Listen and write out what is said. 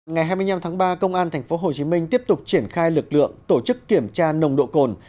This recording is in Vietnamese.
ngày hai mươi năm tháng ba công an tp hcm tiếp tục triển khai lực lượng tổ chức kiểm tra nồng độ cồn